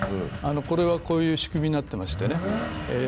これは、こういう仕組みになってましてね